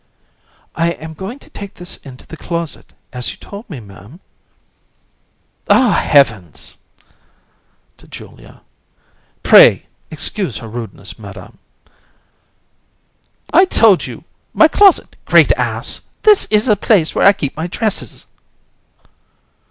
AND. I am going to take this into the closet, as you told me, Ma'am. COUN. Ah! heavens! (To JULIA) Pray, excuse her rudeness, Madam. (To ANDRÉE) I told you my closet, great ass; that is the place where I keep my dresses.